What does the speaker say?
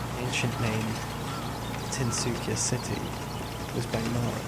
The ancient name of Tinsukia city was Bengmara.